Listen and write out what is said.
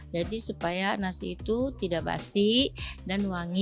jadi supaya nasi itu tidak basi dan wangi